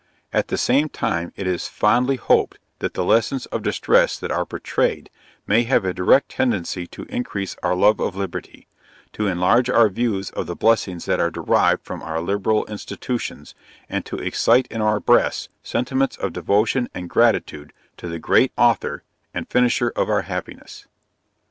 At the same time it is fondly hoped that the lessons of distress that are portrayed, may have a direct tendency to increase our love of liberty; to enlarge our views of the blessings that are derived from our liberal institutions; and to excite in our breasts sentiments of devotion and gratitude to the great Author and finisher of our happiness.